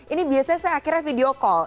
ini biasanya saya akhirnya video call